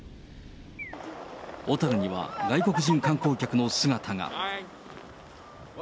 小樽には外国人観光客の姿が。